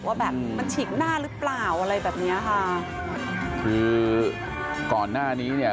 ว่าแบบมันฉีกหน้าหรือเปล่าอะไรแบบเนี้ยค่ะคือก่อนหน้านี้เนี่ย